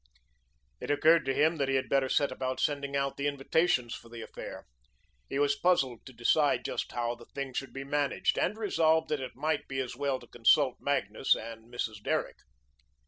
It occurred to him that he had better set about sending out the invitations for the affair. He was puzzled to decide just how the thing should be managed, and resolved that it might be as well to consult Magnus and Mrs. Derrick.